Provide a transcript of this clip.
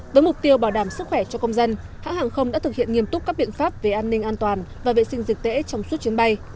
với mục tiêu bảo đảm sức khỏe cho công dân hãng hàng không đã thực hiện nghiêm túc các biện pháp về an ninh an toàn và vệ sinh dịch tễ trong suốt chuyến bay